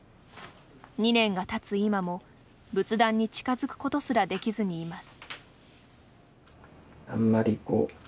２年がたつ今も仏壇に近づくことすらできずにいます。